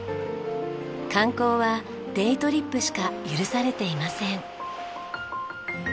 観光はデイトリップしか許されていません。